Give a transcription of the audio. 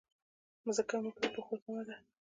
مځکه زموږ د پښو تمه ده.